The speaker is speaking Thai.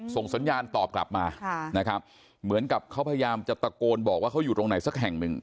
ส่งสัญญาณตอบกลับมานะครับเหมือนกับเขาพยายามจะตะโกนบอกว่าเขาอยู่ตรงไหนสักแห่งหนึ่ง